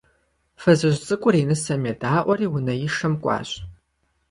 Фызыжь цӀыкӀур и нысэм едаӀуэри унэишэм кӀуащ.